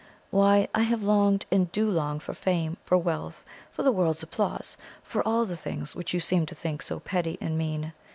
Why, I have longed, and do long for fame, for wealth, for the world's applause, for all the things which you seem to think so petty and mean.